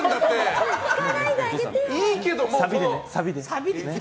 サビでね。